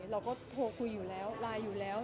เราก็โทรคุยอยู่แล้วไลน์อยู่แล้ว